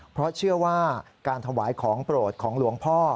เพราะเชื่อว่าการถวายของโปรดของหลวงพ่อ